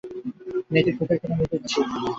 মেয়েটির ঠোঁটের কোণে মৃদু হাসি।